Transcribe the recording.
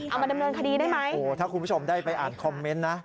เอามาดำเนินคดีได้ไหมโอ้โหถ้าคุณผู้ชมได้ไปอ่านคอมเมนต์นะ